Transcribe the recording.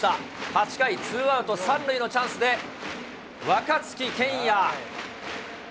８回、ツーアウト三塁のチャンスで、若月健矢。